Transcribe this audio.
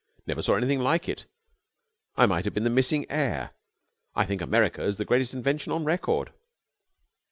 Never saw anything like it. I might have been the missing heir. I think America's the greatest invention on record."